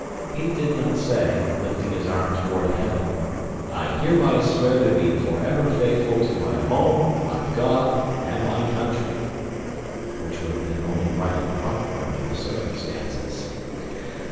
He did not say, lifting his arm toward heaven, "I hereby swear to be forever faithful to my home, my God, and my country!" which would have been only right and proper under the circumstances.